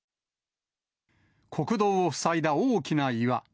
国道を塞いだ大きな岩。